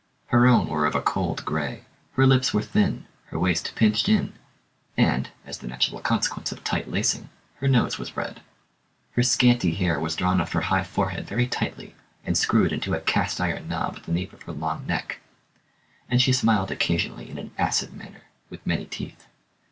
Her own were of a cold grey, her lips were thin, her waist pinched in, and as the natural consequence of tight lacing her nose was red. Her scanty hair was drawn off her high forehead very tightly, and screwed into a cast iron knob at the nape of her long neck; and she smiled occasionally in an acid manner, with many teeth.